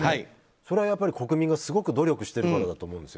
それはやっぱり国民がすごく努力してるからだと思うんです。